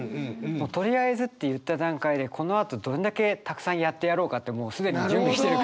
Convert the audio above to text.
「とりあえず」って言った段階でこのあとどんだけたくさんやってやろうかってもう既に準備してる。